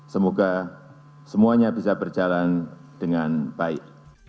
semoga semuanya bisa berjalan dengan baik